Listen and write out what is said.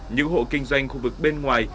những hộ kinh doanh khu vực bên ngoài